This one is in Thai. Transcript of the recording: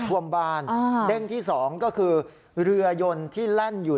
ท่วมบ้านเด้งที่สองก็คือเรือยนที่แล่นอยู่